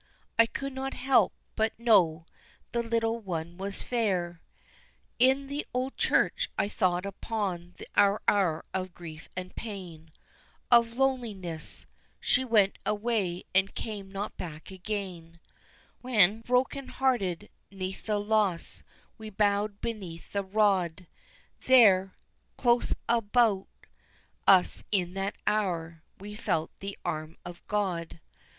I could not help but know the little one was fair. In the old church I thought upon our hour of grief and pain, Of loneliness she went away and came not back again When broken hearted 'neath the loss we bowed beneath the rod, There, close about us in that hour, we felt the arm of God.